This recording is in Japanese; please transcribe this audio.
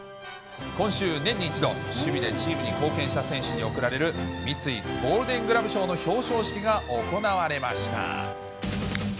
今週、年に１度、守備でチームに貢献した選手に贈られる三井ゴールデン・グラブ賞の表彰式が行われました。